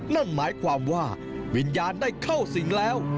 นั่นหมายความว่าวิญญาณได้เข้าสิงแล้ว